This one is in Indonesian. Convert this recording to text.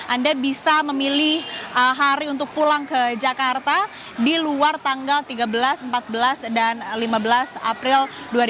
anda bisa memilih hari untuk pulang ke jakarta di luar tanggal tiga belas empat belas dan lima belas april dua ribu dua puluh